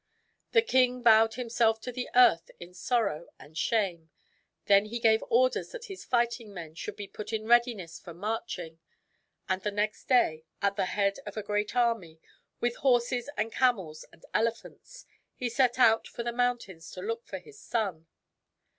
The king bowed himself to the earth in sorrow and shame. Then he gave orders that his fighting men should be put in readiness for marching. And the next day, at the head of a great army, with horses and camels and elephants, he set out for the mountains to look for his son.